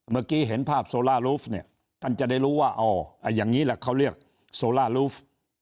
เมื่อกี้เห็นภาพโซล่าลูฟเนี่ยท่านจะได้รู้ว่าอ๋ออย่างนี้แหละเขาเรียกโซล่าลูฟ